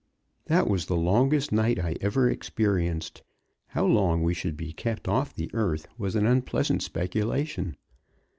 That was the longest night I ever experienced. How long we should be kept off the earth, was an unpleasant speculation.